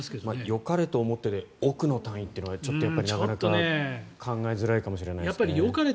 よかれと思ってで億の単位というのはちょっと考えづらいかもしれないですね。